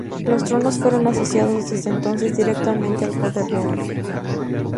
Los tronos fueron asociados desde entonces directamente al poder real.